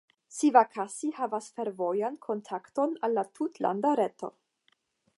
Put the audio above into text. Sivakasi havas fervojan kontakton al la tutlanda reto.